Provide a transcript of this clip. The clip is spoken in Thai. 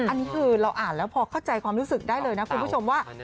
อันนี้คือเราอ่านแล้วพอเข้าใจความรู้สึกได้เลยนะคุณผู้ชมว่า